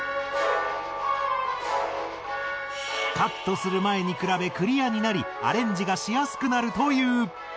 カットする前に比べクリアになりアレンジがしやすくなるという。